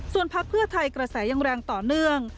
ส่วนพักเพื่อไทยกระแสยังแรงต่อเนื่อง